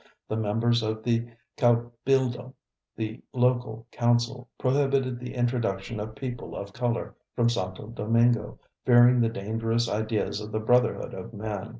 The members of the Cabildo, the local council, prohibited the introduction of people of color from Santo Domingo, fearing the dangerous ideas of the brotherhood of man.